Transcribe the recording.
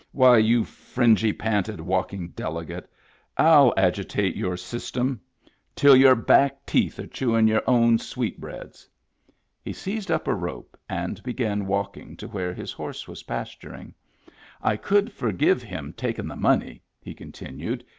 Why, you fringy panted walking delegate, 111 agitate your system Digitized by VjOOQIC 86 MEMBERS OF THE FAMILY till your back teeth are chewin' your own sweet breads !" He seized up a rope and began walking to where his horse was pasturing. "I could for give him takin' the money," he continued.